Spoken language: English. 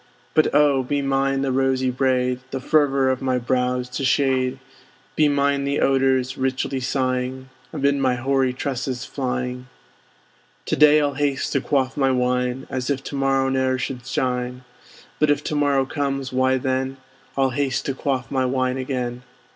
But oh! be mine the rosy braid, The fervor of my brows to shade; Be mine the odors, richly sighing, Amid my hoary tresses flying. To day I'll haste to quaff my wine, As if to morrow ne'er should shine; But if to morrow comes, why then I'll haste to quaff my wine again.